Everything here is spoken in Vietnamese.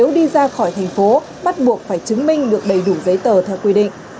các phương tiện được ra khỏi thành phố bắt buộc phải chứng minh được đầy đủ giấy tờ theo quy định